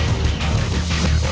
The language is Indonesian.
gue cabut dulu ya